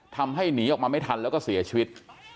ทำให้หนีออกมาไม่ทันแล้วก็เสียชีวิต